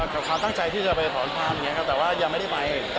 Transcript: ก็ค่อนข้างตั้งใจที่จะไปถอนภาร์มอย่างนี้ครับ